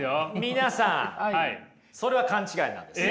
それは勘違いなんです。